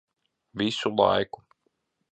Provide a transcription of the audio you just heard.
Visu laiku.